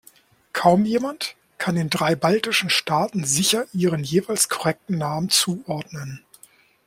Kaum jemand kann den drei baltischen Staaten sicher ihren jeweils korrekten Namen zuordnen.